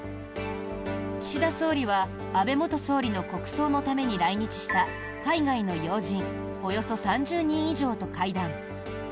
岸田総理は安倍元総理の国葬のために来日した海外の要人およそ３０人以上と会談。